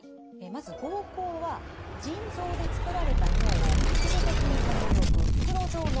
まず膀胱は腎臓で作られた尿を一時的にためておく袋状の臓器です。